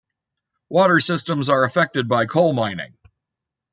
Water systems are affected by coal mining.